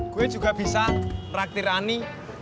gue juga bisa rak tirani